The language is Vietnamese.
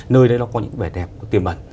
nơi đây có những vẻ đẹp có tiềm mẩn